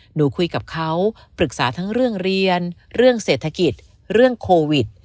หนูคุยกับเขาปรึกษาทั้งเรื่องเรียนเรื่องเศรษฐกิจเรื่องโควิด